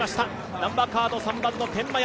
ナンバーカード３番の天満屋。